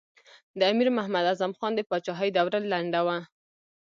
د امیر محمد اعظم خان د پاچهۍ دوره لنډه وه.